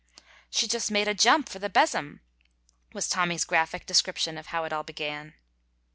"She just made a jump for the besom," was Tommy's graphic description of how it all began.